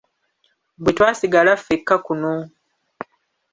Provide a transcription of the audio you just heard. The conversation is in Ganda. Bwe twasigala fekka kuno.